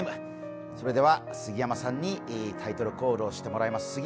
それでは杉山さんにタイトルコールをしてもらいます。